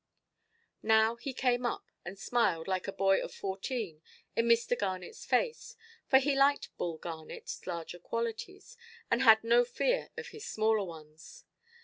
Now he came up, and smiled, like a boy of fourteen, in Mr. Garnetʼs face; for he liked Bull Garnetʼs larger qualities, and had no fear of his smaller ones.